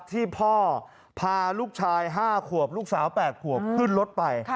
ที่พ่อพาลูกชาย๕ขวบลูกสาว๘ขวบขึ้นรถไป